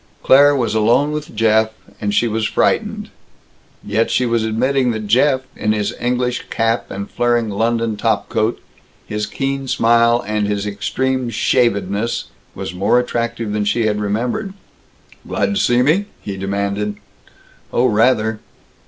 Claire was alone with Jeff, and she was frightened. Yet she was admitting that Jeff, in his English cap and flaring London top coat, his keen smile and his extreme shavedness, was more attractive than she had remembered. "Glad to see me?" he demanded. "Oh, rather!"